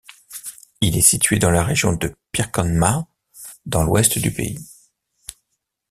Il est situé dans la région de Pirkanmaa, dans l'ouest du pays.